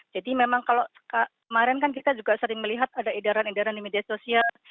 jadi memang kalau kemarin kan kita juga sering melihat ada edaran edaran di media sosial